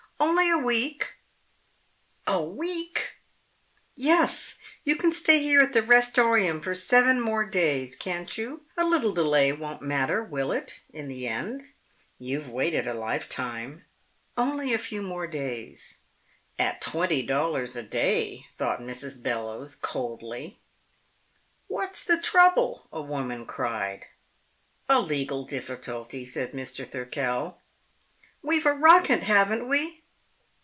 "Only a week." "A week!" "Yes. You can stay here at the Restorium for seven more days, can't you? A little delay won't matter, will it, in the end? You've waited a lifetime. Only a few more days." At twenty dollars a day, thought Mrs. Bellowes, coldly. "What's the trouble?" a woman cried. "A legal difficulty," said Mr. Thirkell. "We've a rocket, haven't we?"